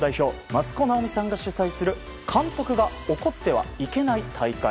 益子直美さんが主催する監督が怒ってはいけない大会。